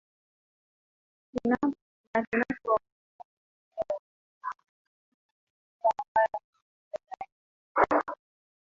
na tunapo ongelea maendeleo endelevu tunamaanisha maendeleo ambayo yanawagusa zaidi